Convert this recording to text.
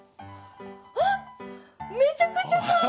あっめちゃくちゃ簡単！